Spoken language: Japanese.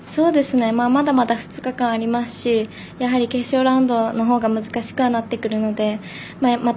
まだまだ２日間ありますしやはり決勝ラウンドのほうが難しくはなってくるのでまた